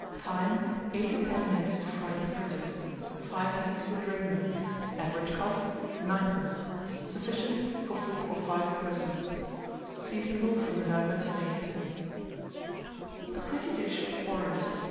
Time. 8 to 10 minutes to fry the fritters; 5 minutes to drain them. Average cost, 9d. Sufficient for 4 or 5 persons. Seasonable from November to May. A PRETTY DISH OF ORANGES.